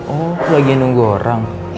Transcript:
oh lagi nunggu orang